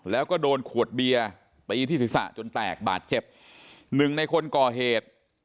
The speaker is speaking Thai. แล้วก็โดนขวดเบียร์ตีที่ศีรษะจนแตกบาดเจ็บหนึ่งในคนก่อเหตุ